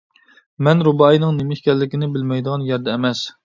مەن رۇبائىينىڭ نېمە ئىكەنلىكىنى بىلمەيدىغان يەردە ئەمەس.